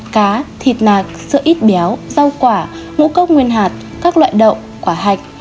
cá thịt nạc sữa ít béo rau quả ngũ cốc nguyên hạt các loại đậu quả hạch